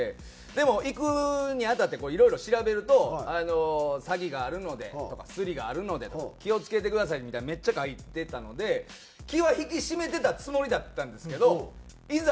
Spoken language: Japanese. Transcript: でも行くにあたってこういろいろ調べると「詐欺があるので」とか「スリがあるので」とか「気を付けてください」みたいなのめっちゃ書いてたので気は引き締めてたつもりだったんですけどいざ